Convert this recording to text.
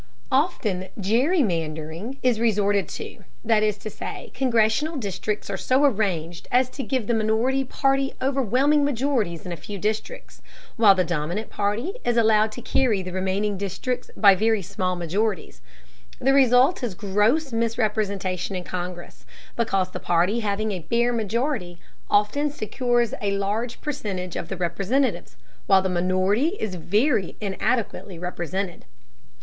Often gerrymandering [Footnote: The origin and nature of "gerrymandering" are discussed in Chapter XLII, Sections 542 and 543.] is resorted to, that is to say, congressional districts are so arranged as to give the minority party overwhelming majorities in a few districts, while the dominant party is allowed to carry the remaining districts by very small majorities. The result is gross misrepresentation in Congress, because the party having a bare majority often secures a large percentage of the representatives, while the minority is very inadequately represented.